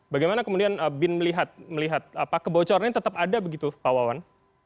bagaimana kemudian bin melihat kebocorannya tetap ada begitu pak wawan